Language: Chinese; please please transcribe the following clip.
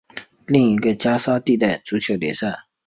另一个是加沙地带足球联赛。